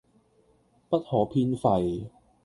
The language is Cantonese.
不可偏廢